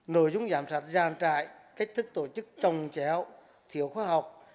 nội dung giám sát gian trại cách thức tổ chức trồng chéo thiếu khoa học